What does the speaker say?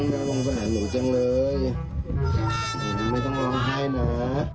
ไม่ต้องไปหาหนูจังเลยไม่ต้องร้องไข้นะ